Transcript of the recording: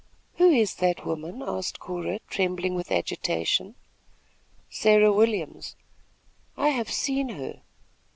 "Who is that woman?" asked Cora, trembling with agitation. "Sarah Williams." "I have seen her."